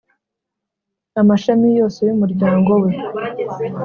Amashami yose y’umuryango we,